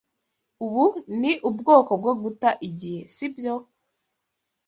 Ubu ni ubwoko bwo guta igihe, sibyo?